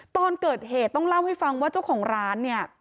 ตอนเกิดเหตุต้องเล่าให้ฟังว่าเจ้าของร้านเนี่ย